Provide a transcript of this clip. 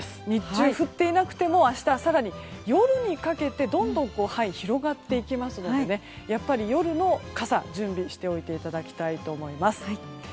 日中、降っていなくても明日、更に夜にかけてどんどん範囲が広がっていきますので夜に傘を準備しておいていただきたいと思います。